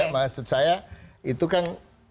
maksud saya itu kan